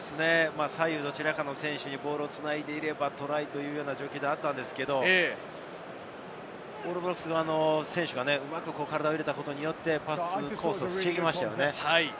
左右どちらかの選手にボールを繋いでいればトライというような状況ではあったのですが、オールブラックスの選手がうまく体を入れたことによって、パスコースを防ぎましたね。